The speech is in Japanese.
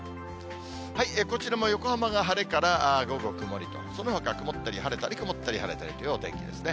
こちらも横浜が晴れから午後、曇りと、そのほか、晴れたり曇ったり、曇ったり晴れたりというお天気ですね。